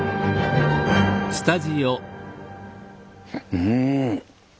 うん。